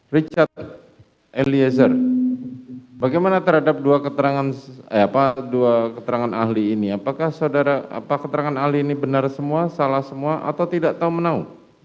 richard eliezer bagaimana terhadap dua keterangan ahli ini apakah keterangan ahli ini benar semua salah semua atau tidak tahu menau